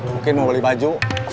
mungkin mau beli baju